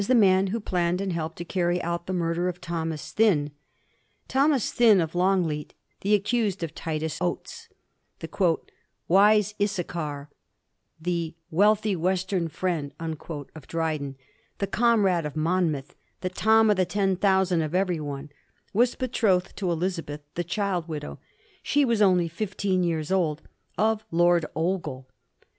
the man who planned and helped to carry out the murder of Thomas Thynne. Thomas Thynne, of Longleat, the accused of Titus Oates, the *Wise Issachar/ the ^ wealthy Western friend ' of Dryden, the comrade of Monmouth, the ^ Tom of Ten Thou ^ sand ' of everyone, was betrothed to Elizabeth, the child widow — she was only fifteen years old — of Lord Ogle.